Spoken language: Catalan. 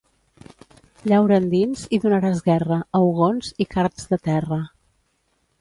Llaura endins i donaràs guerra, a ugons i cards de terra.